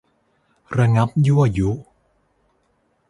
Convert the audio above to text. ระงับยั่วยุ